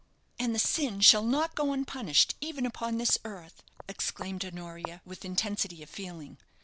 "And the sin shall not go unpunished even upon this earth!" exclaimed Honoria, with intensity of feeling.